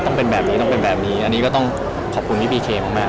ต้องเป็นแบบนี้ต้องเป็นแบบนี้อันนี้ก็ต้องขอบคุณพี่พีเคมาก